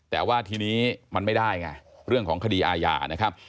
แต่ว่าทีนี้มันไม่ได้ไงเรื่องของคดีอาญานะครับ